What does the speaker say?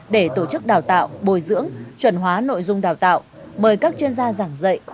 để tổ chức đào tạo bồi dưỡng chuẩn hóa nội dung đào tạo mời các chuyên gia giảng dạy